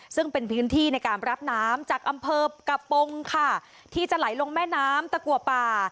ซึ่งเป็นพื้นที่ในการรับน้ำจากอำเภอกระปงค่ะที่จะไหลลงแม่น้ำตะกัวป่า